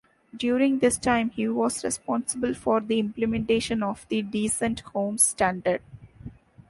During this time he was responsible for the implementation of the Decent Homes Standard.